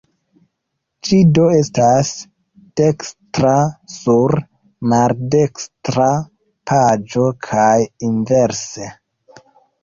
Ĝi do estas dekstra sur maldekstra paĝo kaj inverse.